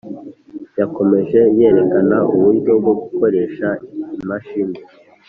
yakomeje yerekana uburyo bwo gukoresha imashini